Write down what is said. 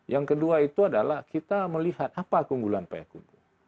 yang kedua itu adalah kita melihat apa keunggulan payakumbu